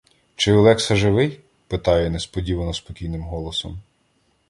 — Чи Олекса живий? — питає несподівано спокійним голосом.